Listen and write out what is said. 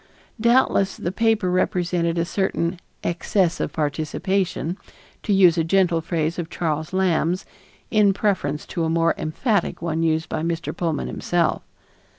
Doubtless the paper represented a certain "excess of participation," to use a gentle phrase of Charles Lamb's in preference to a more emphatic one used by Mr. Pullman himself.